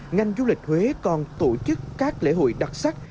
ngành du lịch huế còn tổ chức các lễ hội đặc sắc